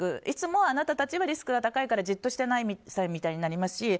いつもあなたたちはリスクが高くないからじっとしていないみたいになりますし